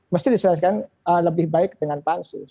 mesti diselesaikan lebih baik dengan pansus